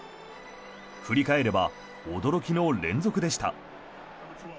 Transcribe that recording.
振り返れば驚きの連続でした。